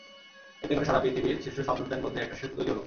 এতে করে সারা পৃথিবীর শিশু সার্জনদের মধ্যে একটা সেতু তৈরি হলো।